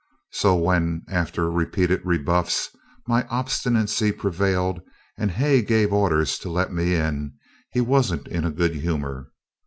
So when, after repeated rebuffs, my obstinacy prevailed and Hay gave orders to let me in, he wasn't in a good humor.